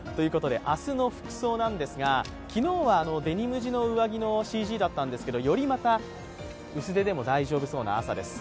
明日の服装なんですが、昨日はデニム地の上着のＣＧだったんですがよりまた、薄手でも大丈夫そうな朝です。